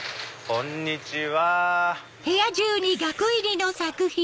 こんにちは。